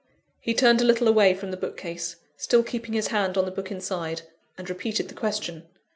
He turned a little away from the bookcase still keeping his hand on the book inside and repeated the question.